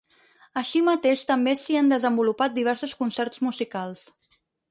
Així mateix també s'hi han desenvolupat diversos concerts musicals.